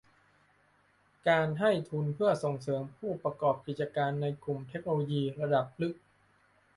การให้ทุนเพื่อส่งเสริมผู้ประกอบกิจการในกลุ่มเทคโนโลยีระดับลึก